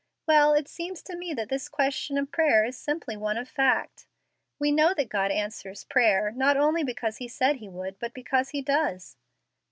Well, it seems to me that this question of prayer is simply one of fact. We know that God answers prayer, not only because He said He would, but because He does.